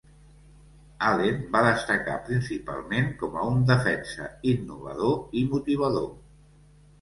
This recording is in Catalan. Allen va destacar principalment com a un defensa innovador i motivador.